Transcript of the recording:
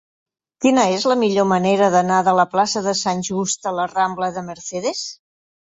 Quina és la millor manera d'anar de la plaça de Sant Just a la rambla de Mercedes?